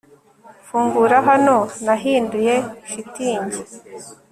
fungura hano nahinduye shitingi